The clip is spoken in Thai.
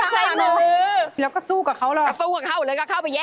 ชะป๊าป๊าปปปปปปเลย